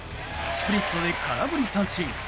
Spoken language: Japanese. スプリットで空振り三振。